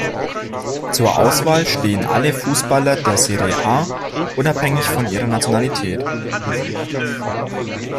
Zur Auswahl stehen alle Fußballer der Serie A, unabhängig von ihrer Nationalität.